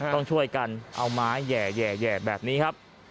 ต้องช่วยกันเอาไม้แหย่แบบนี้ครับ